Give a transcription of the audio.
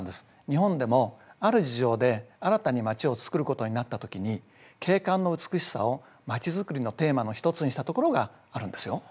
日本でもある事情で新たに町を造ることになった時に景観の美しさを町づくりのテーマの一つにしたところがあるんですよ。